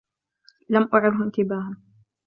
لم أعره انتباها